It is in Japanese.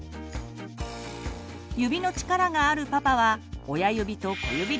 指の力があるパパは親指と小指でつまみます。